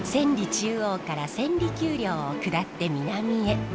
中央から千里丘陵を下って南へ。